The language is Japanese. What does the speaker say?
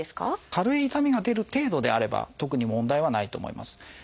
軽い痛みが出る程度であれば特に問題はないと思います。